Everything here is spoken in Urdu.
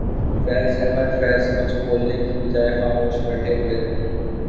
فیض احمد فیض کچھ بولنے کی بجائے خاموش بیٹھے ہوئے تھے